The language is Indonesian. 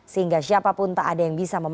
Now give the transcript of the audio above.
sehingga siapapun tak ada yang bisa